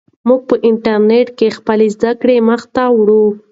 موږ په انټرنیټ کې خپلې زده کړې مخ ته وړو.